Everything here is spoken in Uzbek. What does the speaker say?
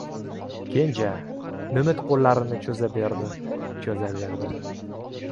Kenja, mimit qo‘llarini cho‘za berdi-cho‘za berdi.